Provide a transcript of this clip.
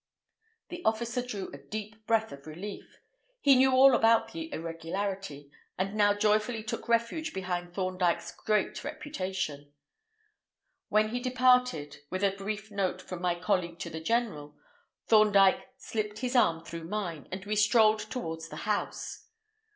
The officer drew a deep breath of relief. He knew all about the irregularity, and now joyfully took refuge behind Thorndyke's great reputation. When he had departed—with a brief note from my colleague to the General—Thorndyke slipped his arm through mine, and we strolled towards the house.